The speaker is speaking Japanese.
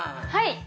はい。